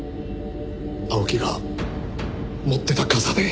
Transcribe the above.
青木が持ってた傘で。